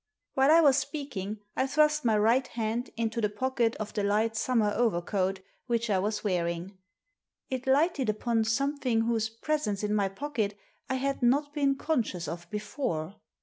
" While I was speaking I thrust my right hand into the pocket of the light summer overcoat which I was wearing. It lighted upon something whose presence in my pocket I had not been conscious of before.